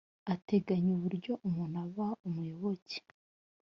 ateganya uburyo umuntu aba umuyoboke